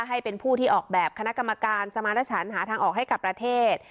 ให้เป็นผู้ที่ออกแบบคณะกรรมการสมาณฉันหาทางออกให้กับประเทศ